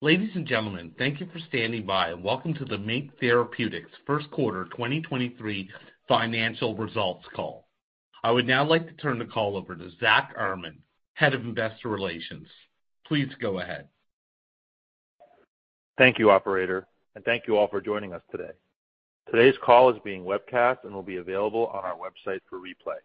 Ladies and gentlemen, thank you for standing by, and welcome to the MiNK Therapeutics First Quarter 2023 Financial Results Call. I would now like to turn the call over to Zack Armen, Head of Investor Relations. Please go ahead. Thank you, operator, and thank you all for joining us today. Today's call is being webcast and will be available on our website for replay.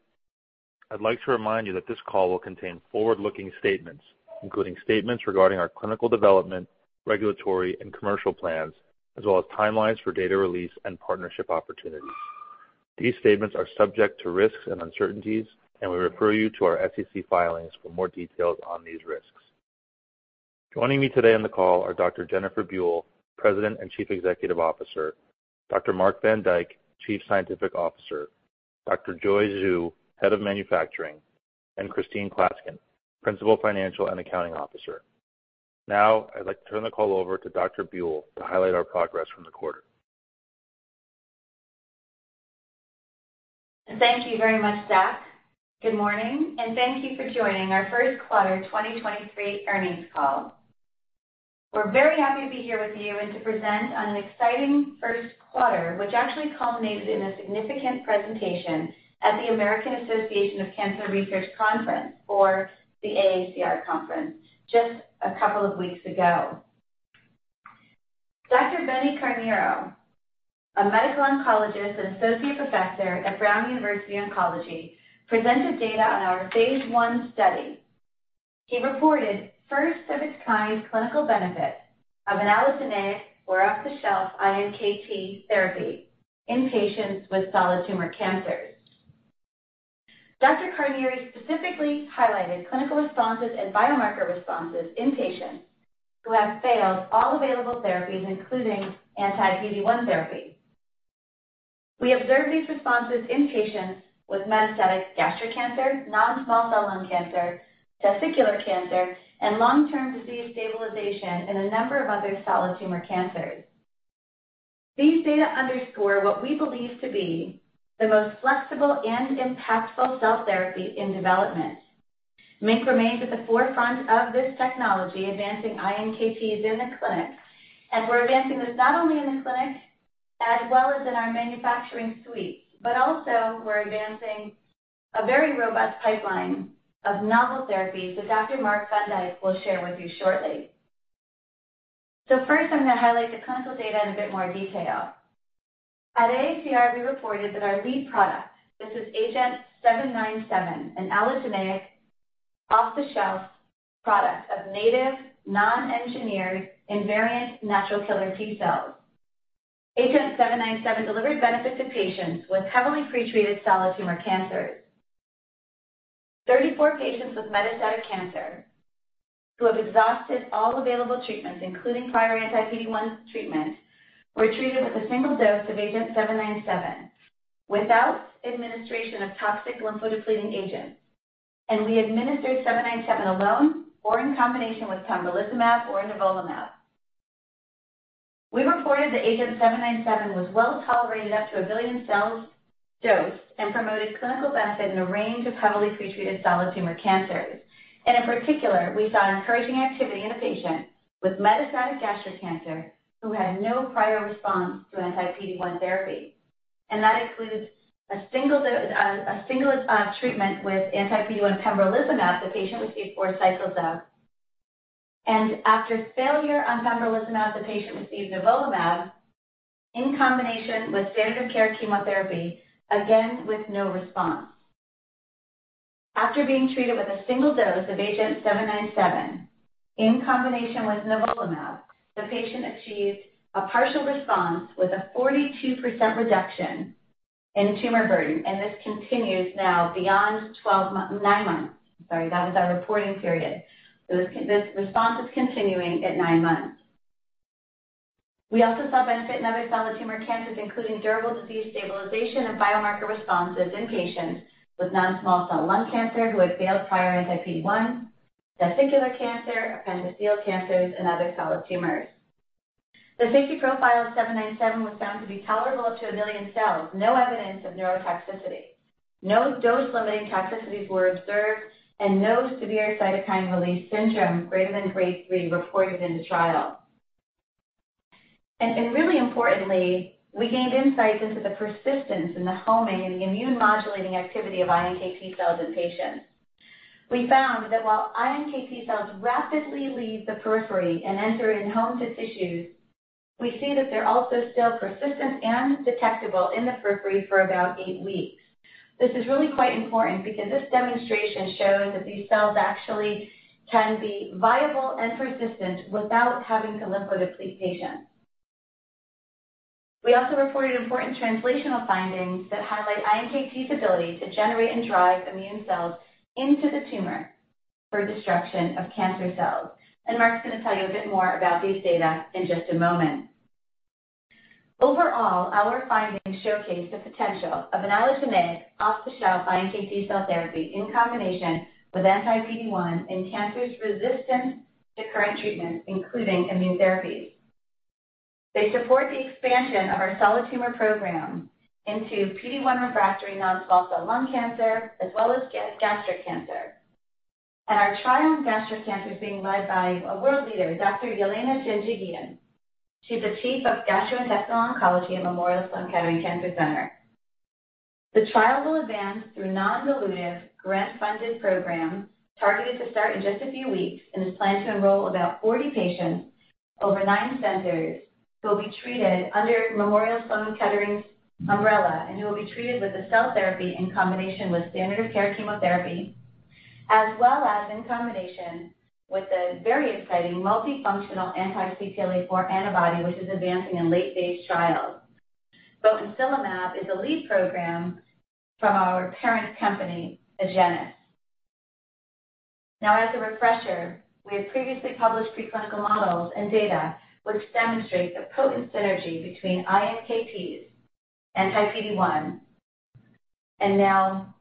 I'd like to remind you that this call will contain forward looking statements, including statements regarding our clinical development, regulatory, and commercial plans, as well as timelines for data release and partnership opportunities. These statements are subject to risks and uncertainties, and we refer you to our SEC filings for more details on these risks. Joining me today on the call are Dr. Jennifer Buell, President and Chief Executive Officer, Dr. Marc Van Dijk, Chief Scientific Officer, Dr. Joy Zhu, Head of Manufacturing, and Christine Klaskin, Principal Financial and Accounting Officer. Now, I'd like to turn the call over to Dr. Buell to highlight our progress from the quarter. Thank you very much, Zack. Good morning, and thank you for joining our 1st quarter 2023 earnings call. We're very happy to be here with you and to present on an exciting 1st quarter, which actually culminated in a significant presentation at the American Association for Cancer Research conference or the AACR conference just a couple of weeks ago. Dr. Benedito Carneiro, a medical oncologist and associate professor at Brown University Oncology, presented data on our phase one study. He reported first-of-its-kind clinical benefit of an allogeneic or off-the-shelf iNKT therapy in patients with solid tumor cancers. Dr. Carneiro specifically highlighted clinical responses and biomarker responses in patients who have failed all available therapies, including anti-PD-1 therapy. We observed these responses in patients with metastatic gastric cancer, non-small cell lung cancer, testicular cancer, and long-term disease stabilization in a number of other solid tumor cancers. These data underscore what we believe to be the most flexible and impactful cell therapy in development. MiNK remains at the forefront of this technology, advancing iNKTs in the clinic, and we're advancing this not only in the clinic as well as in our manufacturing suites, but also we're advancing a very robust pipeline of novel therapies that Dr. Marc Van Dijk will share with you shortly. First, I'm going to highlight the clinical data in a bit more detail. At AACR, we reported that our lead product, this is AGENT-797, an allogeneic off-the-shelf product of native non-engineered invariant natural killer T cells. AGENT-797 delivered benefit to patients with heavily pretreated solid tumor cancers. 34 patients with metastatic cancer who have exhausted all available treatments, including prior anti-PD-1 treatment, were treated with a single dose of AGENT-797 without administration of toxic lymphodepleting agents. We administered AGENT-797 alone or in combination with pembrolizumab or nivolumab. We reported that AGENT-797 was well-tolerated up to one billion cells dosed and promoted clinical benefit in a range of heavily pretreated solid tumor cancers. In particular, we saw an encouraging activity in a patient with metastatic gastric cancer who had no prior response to anti-PD-1 therapy. That includes a single treatment with anti-PD-1 pembrolizumab. The patient received four cycles of. After failure on pembrolizumab, the patient received nivolumab in combination with standard of care chemotherapy, again, with no response. After being treated with a single dose of AGENT-797 in combination with nivolumab, the patient achieved a partial response with a 42% reduction in tumor burden. This continues now beyond nine months. Sorry, that was our reporting period. This response is continuing at nine months. We also saw benefit in other solid tumor cancers, including durable disease stabilization and biomarker responses in patients with non-small cell lung cancer who had failed prior anti-PD-1, testicular cancer, appendiceal cancers, and other solid tumors. The safety profile of 797 was found to be tolerable up to one billion cells. No evidence of neurotoxicity, no dose-limiting toxicities were observed. No severe cytokine release syndrome greater than grade three reported in the trial. Really importantly, we gained insights into the persistence and the homing and the immune modulating activity of iNKT cells in patients. We found that while iNKT cells rapidly leave the periphery and enter in home to tissues, we see that they're also still persistent and detectable in the periphery for about eight weeks. This is really quite important because this demonstration shows that these cells actually can be viable and persistent without having to lymphodeplete patients. We also reported important translational findings that highlight iNKT's ability to generate and drive immune cells into the tumor for destruction of cancer cells. Marc's going to tell you a bit more about these data in just a moment. Overall, our findings showcase the potential of an allogeneic off-the-shelf iNKT cell therapy in combination with anti-PD-1 in cancers resistant to current treatments, including immune therapies. They support the expansion of our solid tumor program into PD-1 refractory non-small cell lung cancer, as well as gastric cancer. Our trial in gastric cancer is being led by a world leader, Dr. Yelena Janjigian. She's the Chief of Gastrointestinal Oncology Service at Memorial Sloan Kettering Cancer Center. The trial will advance through a non-dilutive grant funded program targeted to start in just a few weeks and is planned to enroll about 40 patients over nine centers who will be treated under Memorial Sloan Kettering's umbrella, and who will be treated with a cell therapy in combination with standard of care chemotherapy, as well as in combination with a very exciting multifunctional anti-CTLA-4 antibody, which is advancing in late-stage trials. Botensilimab is a lead program from our parent company, Agenus. As a refresher, we have previously published preclinical models and data which demonstrate the potent synergy between iNKTs, anti-PD-1, and botensilimab.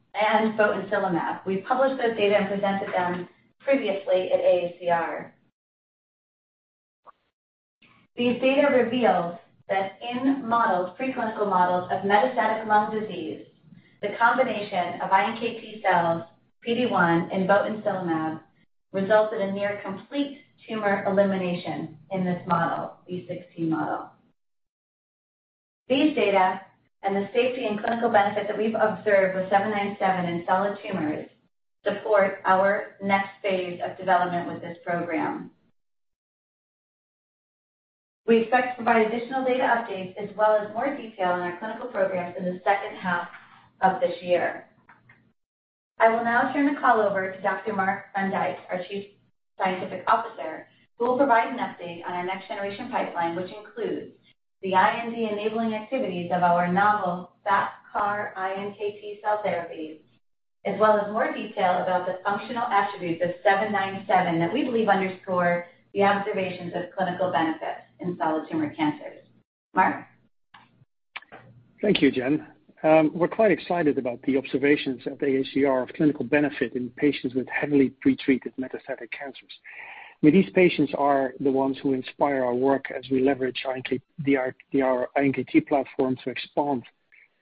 We published those data and presented them previously at AACR. These data revealed that in models, preclinical models of metastatic lung disease, the combination of iNKT cells, PD-1, and botensilimab resulted in near complete tumor elimination in this model, B16 model. These data and the safety and clinical benefit that we've observed with 797 in solid tumors support our next phase of development with this program. We expect to provide additional data updates as well as more detail on our clinical programs in the second half of this year. I will now turn the call over to Dr. Marc Van Dijk, our Chief Scientific Officer, who will provide an update on our next-generation pipeline, which includes the IND-enabling activities of our novel FAP CAR-iNKT cell therapies, as well as more detail about the functional attributes of AGENT-797 that we believe underscore the observations of clinical benefit in solid tumor cancers. Marc? Thank you, Jen. We're quite excited about the observations at the AACR of clinical benefit in patients with heavily pre-treated metastatic cancers. These patients are the ones who inspire our work as we leverage the iNKT platform to expand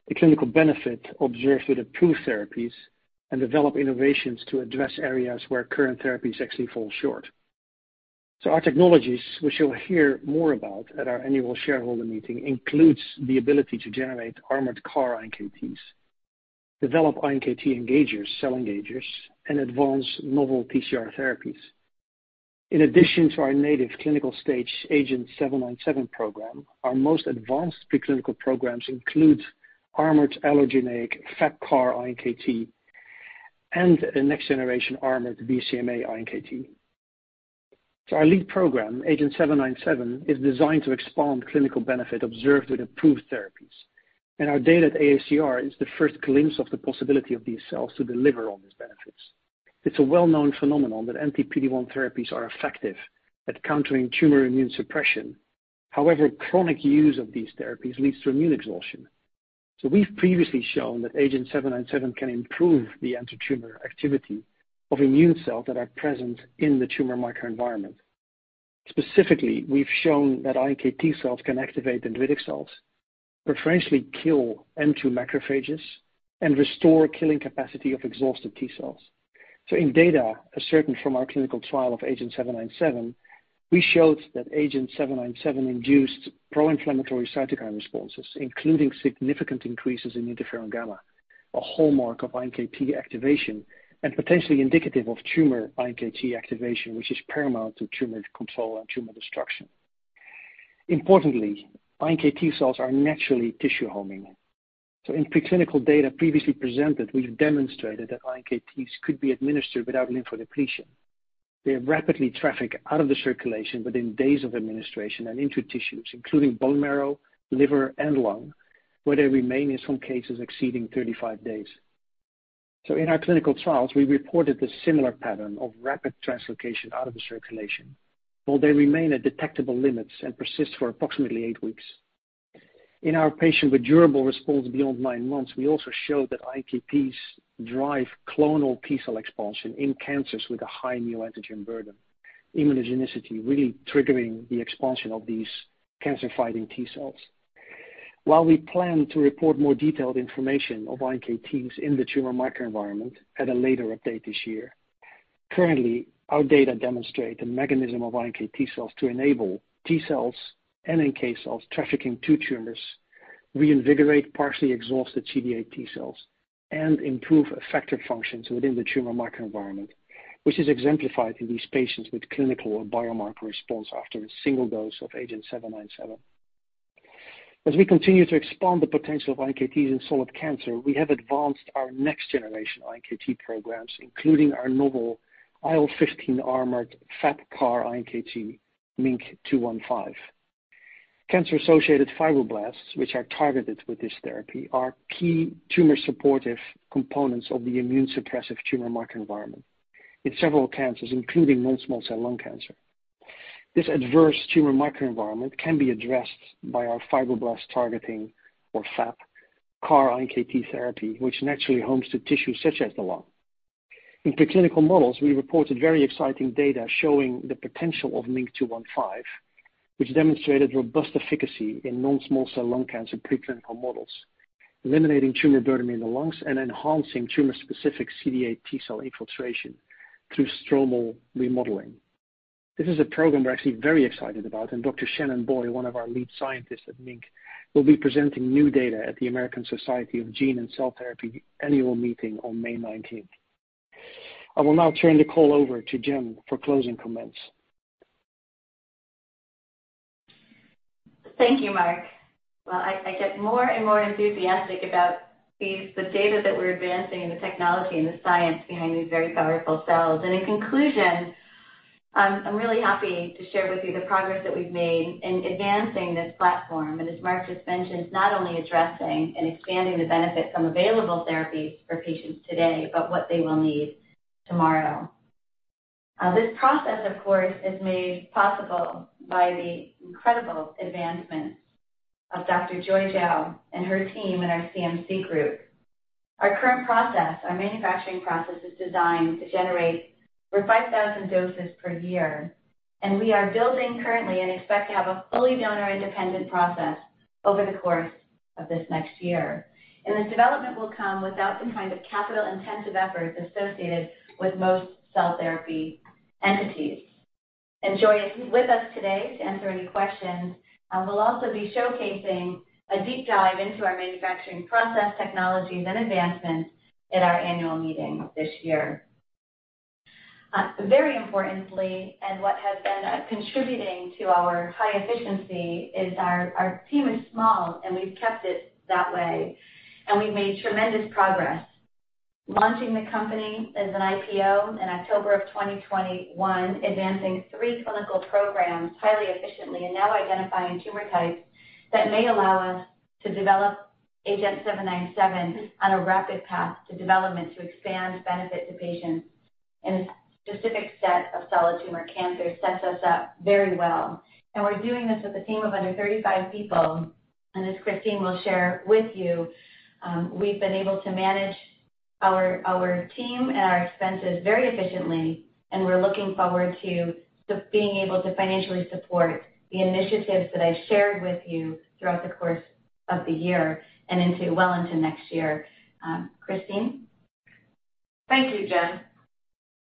the clinical benefit observed with approved therapies and develop innovations to address areas where current therapies actually fall short. Our technologies, which you'll hear more about at our annual shareholder meeting, includes the ability to generate armored CAR-iNKTs, develop iNKT engagers, cell engagers, and advance novel TCR therapies. In addition to our native clinical stage AGENT-797 program, our most advanced preclinical programs include armored allogeneic FAP CAR-iNKT and a next generation armored BCMA iNKT. Our lead program, AGENT-797, is designed to expand clinical benefit observed with approved therapies, and our data at AACR is the first glimpse of the possibility of these cells to deliver on these benefits. It's a well-known phenomenon that anti-PD-1 therapies are effective at countering tumor immune suppression. However, chronic use of these therapies leads to immune exhaustion. We've previously shown that AGENT-797 can improve the antitumor activity of immune cells that are present in the tumor microenvironment. Specifically, we've shown that iNKT cells can activate dendritic cells, preferentially kill M2 macrophages, and restore killing capacity of exhausted T cells. In data asserted from our clinical trial of AGENT-797, we showed that AGENT-797 induced pro-inflammatory cytokine responses, including significant increases in Interferon gamma, a hallmark of iNKT activation and potentially indicative of tumor iNKT activation, which is paramount to tumor control and tumor destruction. Importantly, iNKT cells are naturally tissue-homing. In preclinical data previously presented, we've demonstrated that iNKTs could be administered without lymphodepletion. They rapidly traffic out of the circulation within days of administration and into tissues, including bone marrow, liver, and lung, where they remain in some cases exceeding 35 days. In our clinical trials, we reported a similar pattern of rapid translocation out of the circulation, while they remain at detectable limits and persist for approximately eight weeks. In our patient with durable response beyond nine months, we also showed that iNKTs drive clonal T cell expansion in cancers with a high neoantigen burden, immunogenicity really triggering the expansion of these cancer-fighting T cells. We plan to report more detailed information of iNKTs in the tumor microenvironment at a later update this year, currently our data demonstrate the mechanism of iNKT cells to enable T cells and NK cells trafficking to tumors, reinvigorate partially exhausted CD8 T cells, and improve effector functions within the tumor microenvironment, which is exemplified in these patients with clinical or biomarker response after a single dose of AGENT-797. We continue to expand the potential of iNKTs in solid cancer, we have advanced our next generation iNKT programs, including our novel IL-15 armored FAP-CAR-iNKT MiNK-215. Cancer-associated fibroblasts, which are targeted with this therapy, are key tumor-supportive components of the immune-suppressive tumor microenvironment in several cancers, including non-small cell lung cancer. This adverse tumor microenvironment can be addressed by our fibroblast-targeting or FAP CAR-iNKT therapy, which naturally homes to tissues such as the lung. In preclinical models, we reported very exciting data showing the potential of MiNK-215, which demonstrated robust efficacy in non-small cell lung cancer preclinical models, eliminating tumor burden in the lungs and enhancing tumor-specific CD8 T cell infiltration through stromal remodeling. This is a program we're actually very excited about. Dr. Shannon Boye, one of our lead scientists at MiNK, will be presenting new data at the American Society of Gene and Cell Therapy annual meeting on May 19th. I will now turn the call over to Jen for closing comments. Thank you, Mark. Well, I get more and more enthusiastic about the data that we're advancing and the technology and the science behind these very powerful cells. In conclusion, I'm really happy to share with you the progress that we've made in advancing this platform. As Mark just mentioned, not only addressing and expanding the benefit from available therapies for patients today, but what they will need tomorrow. This process, of course, is made possible by the incredible advancements of Dr. Joy Zho and her team in our CMC group. Our manufacturing process is designed to generate over 5,000 doses per year, and we are building currently and expect to have a fully donor-independent process over the course of this next year. This development will come without the kind of capital-intensive efforts associated with most cell therapy entities. Joy is with us today to answer any questions, and we'll also be showcasing a deep dive into our manufacturing process, technologies, and advancements at our annual meeting this year. Very importantly, what has been contributing to our high efficiency is our team is small, and we've kept it that way, and we've made tremendous progress. Launching the company as an IPO in October of 2021, advancing three clinical programs highly efficiently, and now identifying tumor types that may allow us to develop AGENT-797 on a rapid path to development to expand benefit to patients in a specific set of solid tumor cancer sets us up very well. We're doing this with a team of under 35 people. As Christine will share with you, we've been able to manage our team and our expenses very efficiently, and we're looking forward to the being able to financially support the initiatives that I shared with you throughout the course of the year and into well into next year. Christine? Thank you, Jen.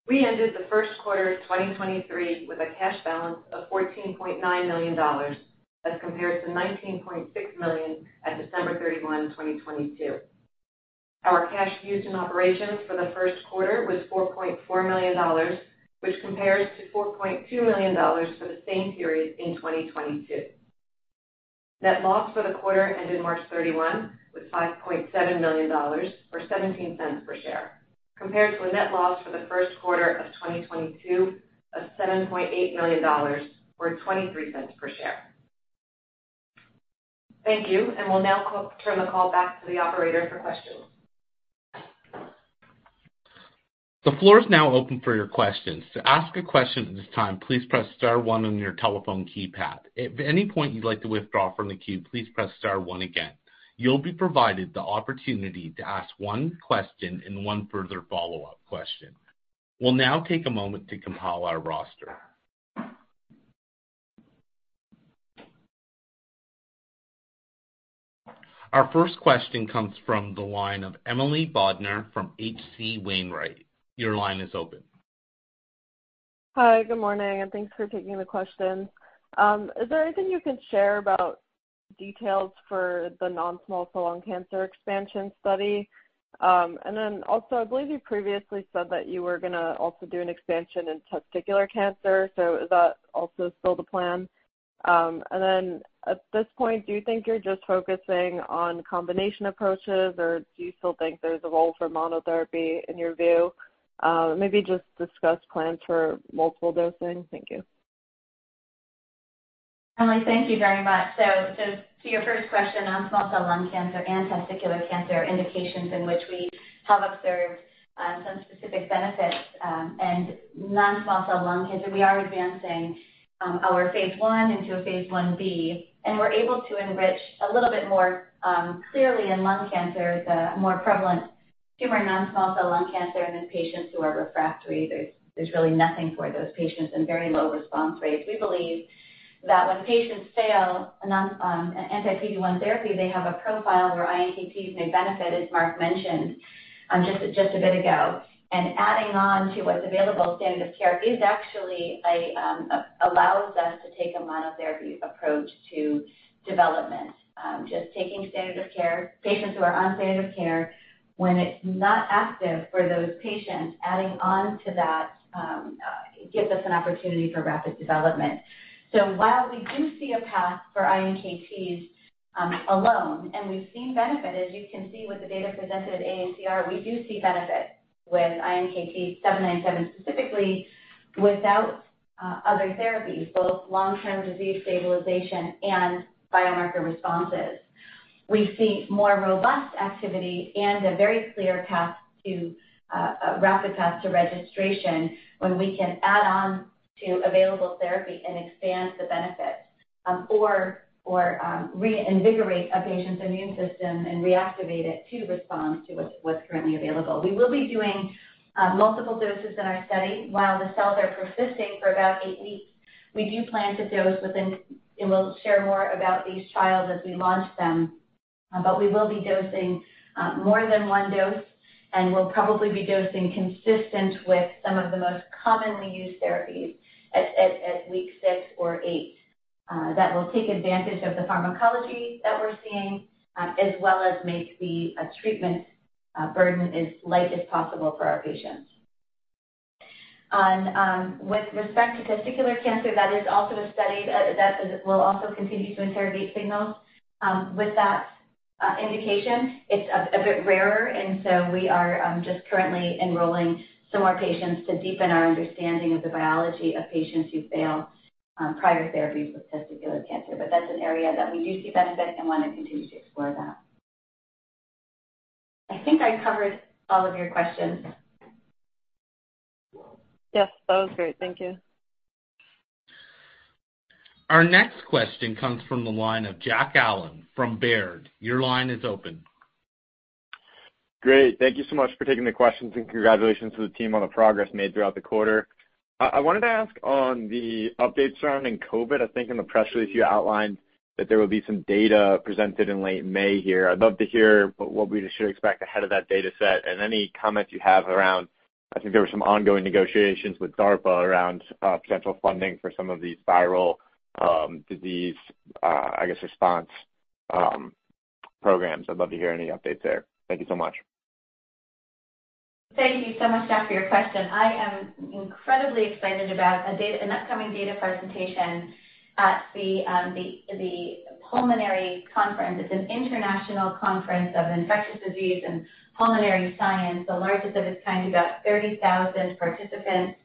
We ended the first quarter of 2023 with a cash balance of $14.9 million as compared to $19.6 million at December 31, 2022. Our cash used in operations for the first quarter was $4.4 million, which compares to $4.2 million for the same period in 2022. Net loss for the quarter ended March 31 with $5.7 million, or $0.17 per share, compared to a net loss for the first quarter of 2022 of $7.8 million, or $0.23 per share. Thank you, and we'll now turn the call back to the operator for questions. The floor is now open for your questions. To ask a question at this time, please press star one on your telephone keypad. If at any point you'd like to withdraw from the queue, please press star one again. You'll be provided the opportunity to ask one question and one further follow-up question. We'll now take a moment to compile our roster. Our first question comes from the line of Emily Bodnar from H.C. Wainwright. Your line is open. Hi. Good morning, thanks for taking the questions. Is there anything you can share about details for the non-small cell lung cancer expansion study? I believe you previously said that you were gonna also do an expansion in testicular cancer, is that also still the plan? At this point, do you think you're just focusing on combination approaches, or do you still think there's a role for monotherapy in your view? Maybe just discuss plans for multiple dosing. Thank you. Emily, thank you very much. To your first question, non-small cell lung cancer and testicular cancer are indications in which we have observed some specific benefits. Non-small cell lung cancer, we are advancing our phase one into a phase 1B, and we're able to enrich a little bit more clearly in lung cancer, the more prevalent tumor non-small cell lung cancer and in patients who are refractory, there's really nothing for those patients and very low response rates. We believe that when patients fail an anti-PD-1 therapy, they have a profile where iNKTs may benefit, as Marc mentioned just a bit ago. Adding on to what's available, standard of care is actually allows us to take a monotherapy approach to development. Just taking standard of care, patients who are on standard of care, when it's not active for those patients, adding on to that, gives us an opportunity for rapid development. While we do see a path for iNKTs alone, and we've seen benefit, as you can see with the data presented at AACR, we do see benefit with iNKT 797, specifically without other therapies, both long-term disease stabilization and biomarker responses. We see more robust activity and a very clear path to a rapid path to registration when we can add on to available therapy and expand the benefit or reinvigorate a patient's immune system and reactivate it to respond to what's currently available. We will be doing multiple doses in our study while the cells are persisting for about eight weeks. We do plan to dose within... We'll share more about these trials as we launch them. We will be dosing more than one dose, and we'll probably be dosing consistent with some of the most commonly used therapies at week six or eight. That will take advantage of the pharmacology that we're seeing as well as make the treatment burden as light as possible for our patients. With respect to testicular cancer, that is also a study that will also continue to interrogate signals with that indication. It's a bit rarer, and so we are just currently enrolling some more patients to deepen our understanding of the biology of patients who've failed prior therapies with testicular cancer. That's an area that we do see benefit and wanna continue to explore that. I think I covered all of your questions. Yes. That was great. Thank you. Our next question comes from the line of Jack Allen from Baird. Your line is open. Great. Thank you so much for taking the questions, congratulations to the team on the progress made throughout the quarter. I wanted to ask on the updates around in COVID. I think in the press release you outlined that there will be some data presented in late May here. I'd love to hear what we should expect ahead of that data set and any comments you have around, I think there were some ongoing negotiations with DARPA around potential funding for some of these viral disease, I guess response programs. I'd love to hear any updates there. Thank you so much. Thank you so much, Jack, for your question. I am incredibly excited about an upcoming data presentation at the pulmonary conference. It's an international conference of infectious disease and pulmonary science, the largest of its kind, about 30,000 participants.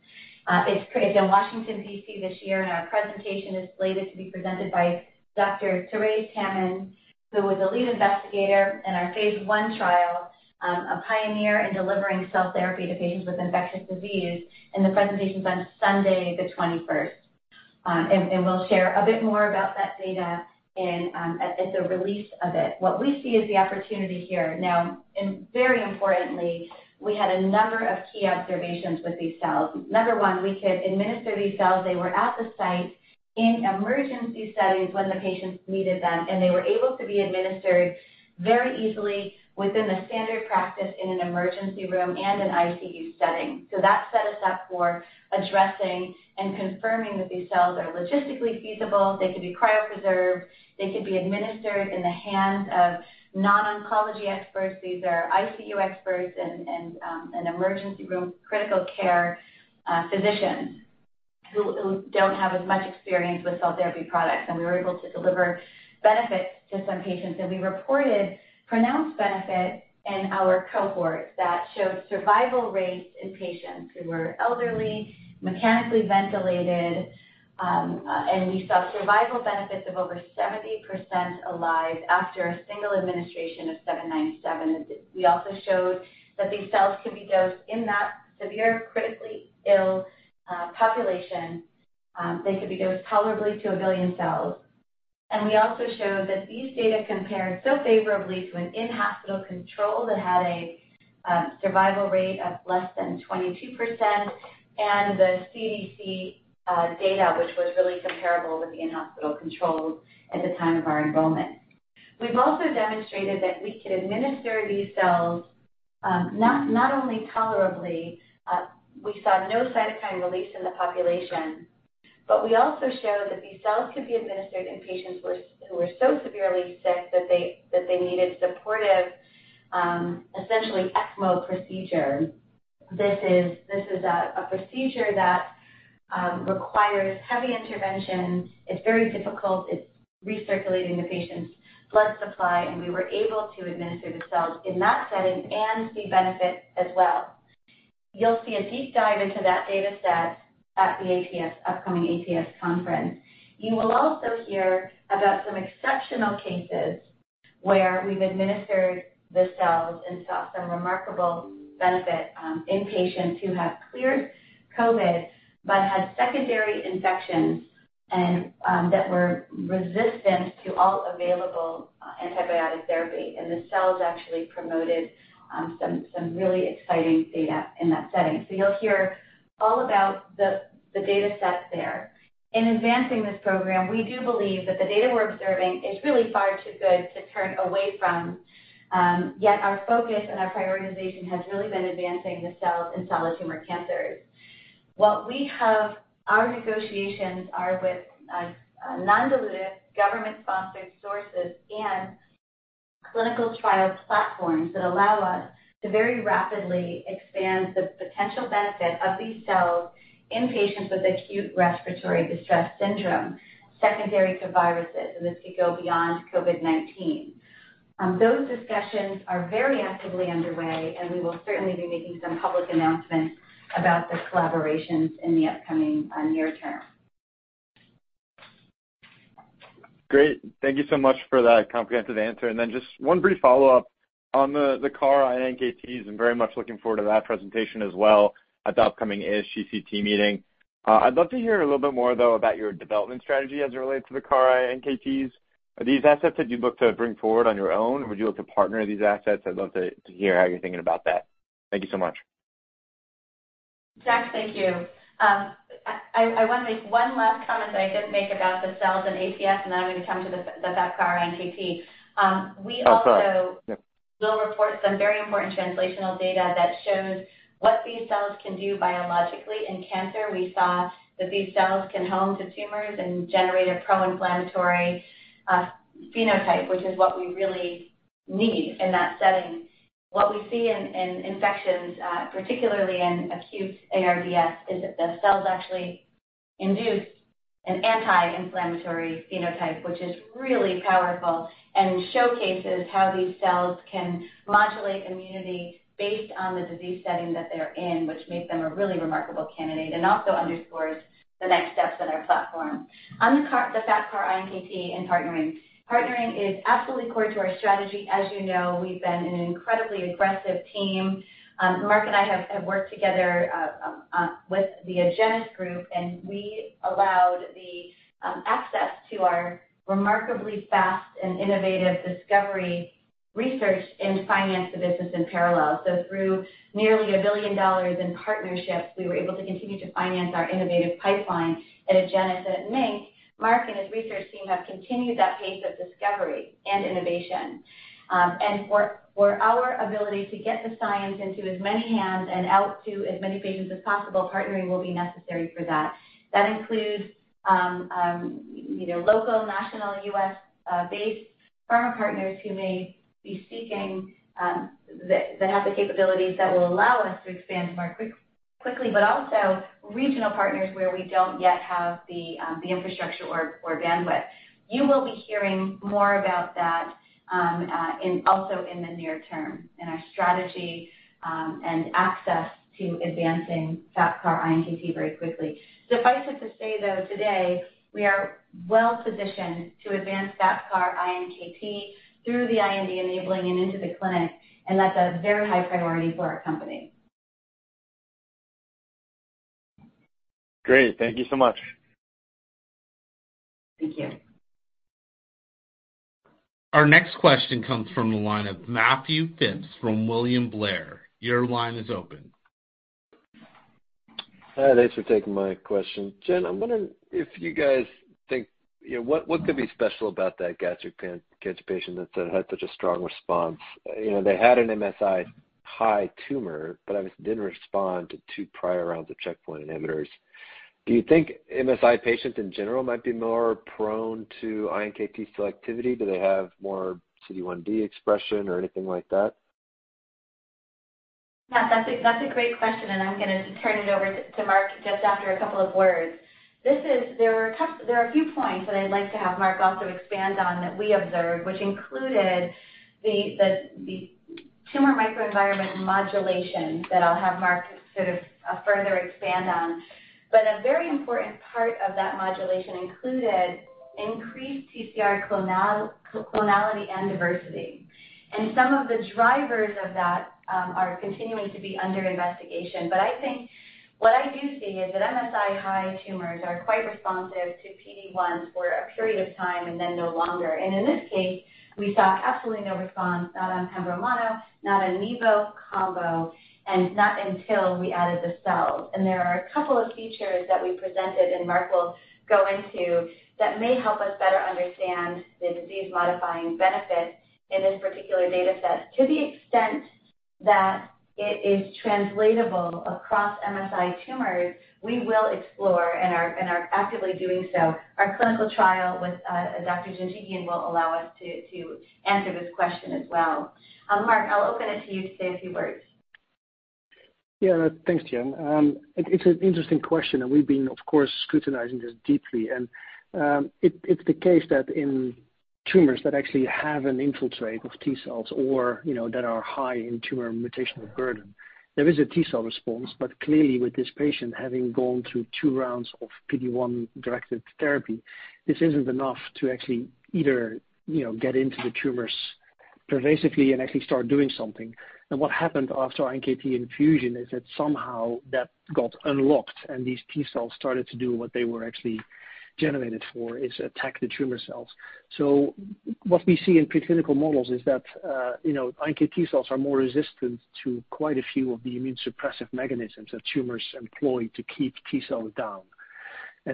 It's in Washington D.C. this year, and our presentation is slated to be presented by Dr. Terese Lehmann, who was the lead investigator in our phase one trial, a pioneer in delivering cell therapy to patients with infectious disease, and the presentation is on Sunday the 21st. We'll share a bit more about that data at the release of it. What we see as the opportunity here. Now, very importantly, we had a number of key observations with these cells. Number one, we could administer these cells. They were at the site in emergency studies when the patients needed them. They were able to be administered very easily within the standard practice in an emergency room and an ICU setting. That set us up for addressing and confirming that these cells are logistically feasible. They could be cryopreserved. They could be administered in the hands of non-oncology experts. These are ICU experts and emergency room critical care physicians who don't have as much experience with cell therapy products. And we were able to deliver benefits to some patients, and we reported pronounced benefit in our cohort that showed survival rates in patients who were elderly, mechanically ventilated, and we saw survival benefits of over 70% alive after a single administration of seven-nine seven. We also showed that these cells can be dosed in that severe critically ill population. They could be dosed tolerably to one billion cells. We also showed that these data compared so favorably to an in-hospital control that had a survival rate of less than 22% and the CDC data which was really comparable with the in-hospital control at the time of our enrollment. We've also demonstrated that we could administer these cells, not only tolerably, we saw no cytokine release in the population, but we also showed that these cells could be administered in patients who were so severely sick that they needed supportive, essentially ECMO procedure. This is a procedure that requires heavy intervention. It's very difficult. It's recirculating the patient's blood supply, and we were able to administer the cells in that setting and see benefit as well. You'll see a deep dive into that data set at the ATS, upcoming ATS conference. You will also hear about some exceptional cases where we've administered the cells and saw some remarkable benefit in patients who have cleared COVID but had secondary infections and that were resistant to all available antibiotic therapy. The cells actually promoted some really exciting data in that setting. You'll hear all about the data set there. In advancing this program, we do believe that the data we're observing is really far too good to turn away from, yet our focus and our prioritization has really been advancing the cells in solid tumor cancers. What we have... Our negotiations are with non-dilutive government-sponsored sources and clinical trial platforms that allow us to very rapidly expand the potential benefit of these cells in patients with acute respiratory distress syndrome secondary to viruses, and this could go beyond COVID-19. Those discussions are very actively underway, and we will certainly be making some public announcements about the collaborations in the upcoming near term. Great. Thank you so much for that comprehensive answer. Then just one brief follow-up on the CAR-iNKTs. I'm very much looking forward to that presentation as well at the upcoming ASGCT meeting. I'd love to hear a little bit more, though, about your development strategy as it relates to the CAR-iNKTs. Are these assets that you look to bring forward on your own, or would you look to partner these assets? I'd love to hear how you're thinking about that. Thank you so much. Zack, thank you. I wanna make one last comment that I didn't make about the cells in ATS, and then I'm gonna come to the FAP CAR-iNKT. Oh, sorry. Yeah. will report some very important translational data that shows what these cells can do biologically in cancer. We saw that these cells can home to tumors and generate a pro-inflammatory phenotype, which is what we really need in that setting. What we see in infections, particularly in acute ARDS, is that the cells actually induce an anti-inflammatory phenotype, which is really powerful and showcases how these cells can modulate immunity based on the disease setting that they're in, which make them a really remarkable candidate, and also underscores the next steps in our platform. The FAP CAR-iNKT and partnering. Partnering is absolutely core to our strategy. As you know, we've been an incredibly aggressive team. Mark and I have worked together with the Agenus group, we allowed access to our remarkably fast and innovative discovery research and finance the business in parallel. Through nearly $1 billion in partnerships, we were able to continue to finance our innovative pipeline at Agenus and at MiNK. Mark and his research team have continued that pace of discovery and innovation. For our ability to get the science into as many hands and out to as many patients as possible, partnering will be necessary for that. That includes, you know, local, national, U.S.-based pharma partners who may be seeking that have the capabilities that will allow us to expand more quickly, but also regional partners where we don't yet have the infrastructure or bandwidth. You will be hearing more about that, also in the near term in our strategy, and access to advancing FAP CAR-iNKT very quickly. Suffice it to say, though, today we are well-positioned to advance FAP CAR-iNKT through the IND enabling and into the clinic, and that's a very high priority for our company. Great. Thank you so much. Thank you. Our next question comes from the line of Matthew Phipps from William Blair. Your line is open. Hi. Thanks for taking my question. Jen, I'm wondering if you guys think, you know, what could be special about that gastric cancer patient that's had such a strong response? You know, they had an MSI high tumor, but it didn't respond to two prior rounds of checkpoint inhibitors. Do you think MSI patients in general might be more prone to iNKT selectivity? Do they have more CD1d expression or anything like that? Matt, that's a great question, and I'm gonna turn it over to Mark just after a couple of words. There are a few points that I'd like to have Mark also expand on that we observed, which included the tumor microenvironment modulation that I'll have Mark sort of further expand on. A very important part of that modulation included increased TCR clonality and diversity. Some of the drivers of that are continuing to be under investigation. I think what I do see is that MSI high tumors are quite responsive to PD-1 for a period of time and then no longer. In this case, we saw absolutely no response, not on pembro mono, not on nivo combo, and not until we added the cells. There are two features that we presented, and Mark will go into, that may help us better understand the disease-modifying benefit in this particular data set. To the extent that it is translatable across MSI tumors, we will explore and are actively doing so. Our clinical trial with Dr. Janjigian will allow us to answer this question as well. Mark, I'll open it to you to say a few words. Yeah. Thanks, Jen. It's an interesting question, we've been, of course, scrutinizing this deeply. It's the case that in tumors that actually have an infiltrate of T-cells or, you know, that are high in tumor mutational burden, there is a T-cell response. Clearly, with this patient having gone through two rounds of PD-1-directed therapy, this isn't enough to actually either, you know, get into the tumors pervasively and actually start doing something. What happened after iNKT infusion is that somehow that got unlocked and these T-cells started to do what they were actually generated for, is attack the tumor cells. What we see in preclinical models is that, you know, iNKT cells are more resistant to quite a few of the immune-suppressive mechanisms that tumors employ to keep T-cell down.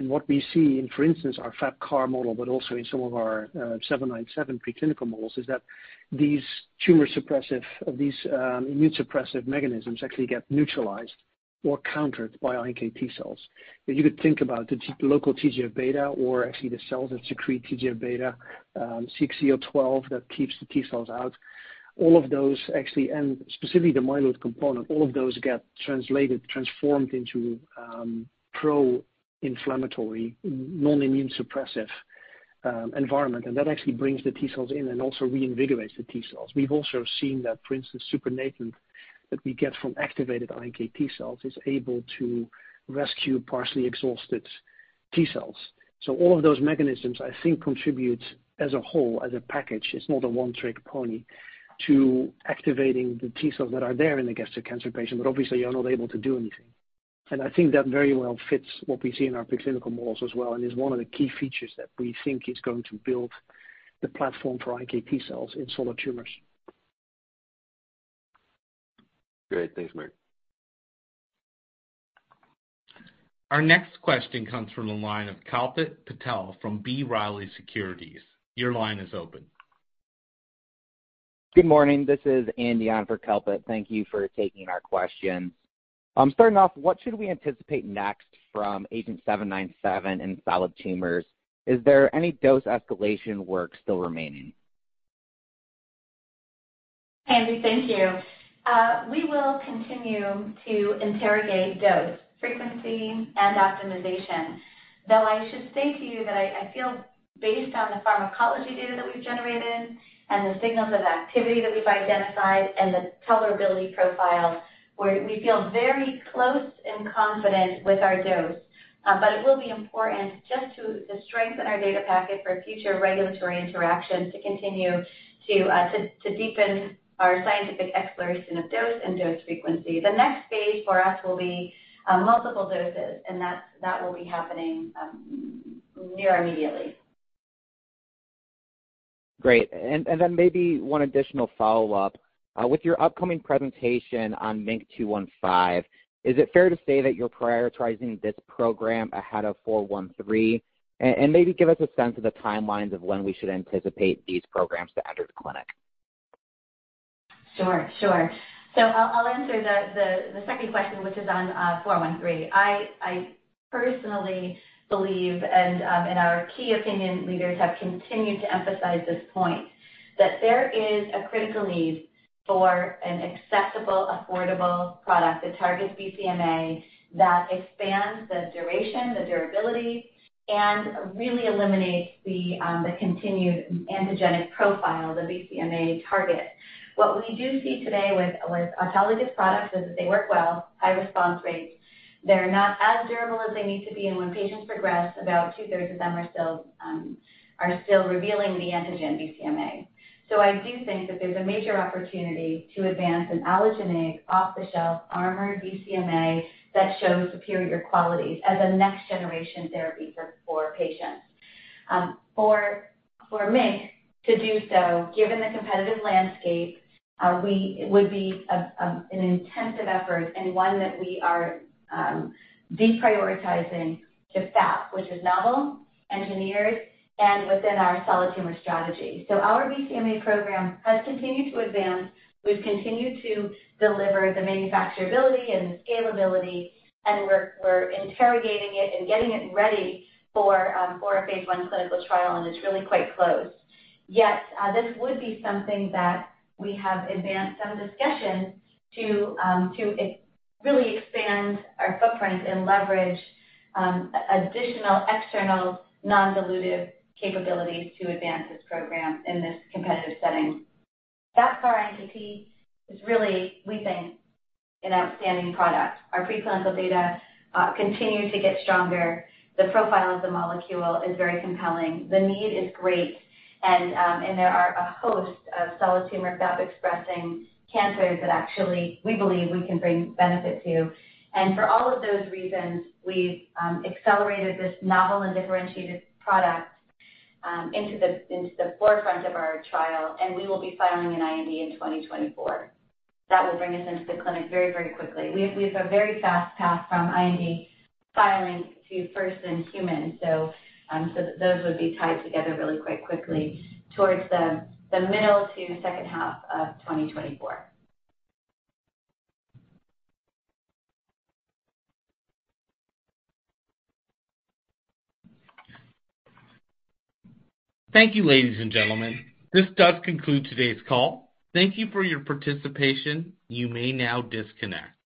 What we see in, for instance, our FAP CAR model, but also in some of our 797 preclinical models, is that these tumor-suppressive immune-suppressive mechanisms actually get neutralized or countered by iNKT cells. You could think about the local TGF-beta or actually the cells that secrete TGF-beta, CXCL12 that keeps the T-cells out. All of those actually, and specifically the myeloid component, get translated, transformed into pro-inflammatory, non-immune suppressive environment. That actually brings the T-cells in and also reinvigorates the T-cells. We've also seen that, for instance, supernatant that we get from activated iNKT cells is able to rescue partially exhausted T-cells. All of those mechanisms, I think, contribute as a whole, as a package, it's not a one-trick pony, to activating the T cells that are there in the gastric cancer patient, but obviously are not able to do anything. I think that very well fits what we see in our preclinical models as well, and is one of the key features that we think is going to build the platform for iNKT cells in solid tumors. Great. Thanks, Mark. Our next question comes from the line of Kalpit Patel from B. Riley Securities. Your line is open. Good morning. This is Andy on for Kalpit. Thank you for taking our questions. Starting off, what should we anticipate next from AGENT-797 in solid tumors? Is there any dose escalation work still remaining? Andy, thank you. We will continue to interrogate dose, frequency, and optimization, though I should say to you that I feel based on the pharmacology data that we've generated and the signals of activity that we've identified and the tolerability profile, we feel very close and confident with our dose. It will be important to strengthen our data packet for future regulatory interactions to continue to deepen our scientific exploration of dose and dose frequency. The next phase for us will be multiple doses, and that will be happening near immediately. Great. Then maybe one additional follow-up. With your upcoming presentation on MiNK-215, is it fair to say that you're prioritizing this program ahead of MiNK-413? Maybe give us a sense of the timelines of when we should anticipate these programs to enter the clinic. Sure. Sure. I'll answer the second question, which is on MiNK-413. I personally believe, and our key opinion leaders have continued to emphasize this point, that there is a critical need for an accessible, affordable product that targets BCMA that expands the duration, the durability, and really eliminates the continued antigenic profile of the BCMA target. What we do see today with autologous products is that they work well, high response rates. They're not as durable as they need to be, and when patients progress, about two-thirds of them are still revealing the antigen BCMA. I do think that there's a major opportunity to advance an allogeneic, off-the-shelf, armored BCMA that shows superior qualities as a next-generation therapy for patients. For MiNK to do so, given the competitive landscape, it would be an intensive effort and one that we are deprioritizing to FAP, which is novel, engineered, and within our solid tumor strategy. Our BCMA program has continued to advance. We've continued to deliver the manufacturability and the scalability, and we're interrogating it and getting it ready for a phase one clinical trial, and it's really quite close. This would be something that we have advanced some discussions to really expand our footprint and leverage additional external non-dilutive capabilities to advance this program in this competitive setting. FAP-CAR-iNKT is really, we think, an outstanding product. Our preclinical data continue to get stronger. The profile of the molecule is very compelling. The need is great, there are a host of solid tumor FAP-expressing cancers that actually we believe we can bring benefit to. For all of those reasons, we've accelerated this novel and differentiated product into the forefront of our trial, and we will be filing an IND in 2024. That will bring us into the clinic very, very quickly. We have a very fast path from IND filing to first-in-human, so those would be tied together really quite quickly towards the middle to second half of 2024. Thank you, ladies and gentlemen. This does conclude today's call. Thank you for your participation. You may now disconnect.